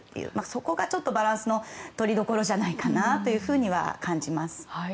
そこがちょっとバランスの取りどころじゃないかなというふうには感じます。